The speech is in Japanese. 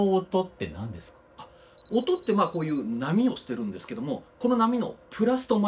音ってこういう波をしてるんですけどもこの波のプラスとマイナスの成分